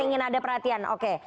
ingin ada perhatian oke